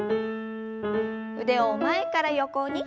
腕を前から横に。